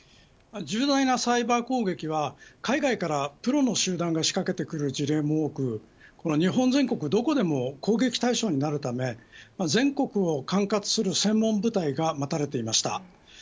重大なサイバー攻撃は海外からプロの集団が仕掛けてくる事例も多く日本全国どこでも攻撃対象になるため全国を管轄する専門部隊が待たれていました。